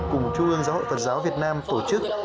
cùng trung ương giáo hội phật giáo việt nam tổ chức